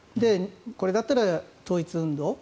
これだったら統一運動